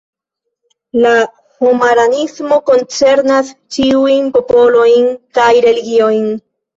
La homaranismo koncernas ĉiujn popolojn kaj religiojn.